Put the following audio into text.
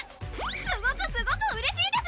すごくすごくうれしいです！